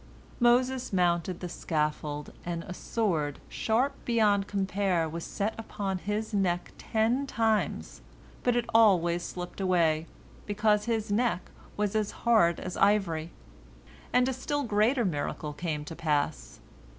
Moses mounted the scaffold, and a sword, sharp beyond compare, was set upon his neck ten times, but it always slipped away, because his neck was as hard as ivory. And a still greater miracle came to pass.